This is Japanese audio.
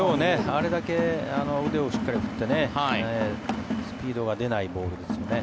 あれだけ腕をしっかり振ってスピードが出ないボールですよね。